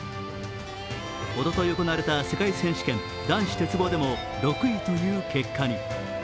おととい行われた世界選手権・男子鉄棒でも６位という結果に。